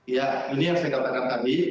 ya ini yang saya katakan tadi